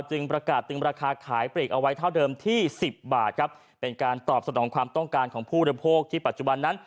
ต่างของความต้องการของผู้เราพวกที่ปัจจุบันนั้น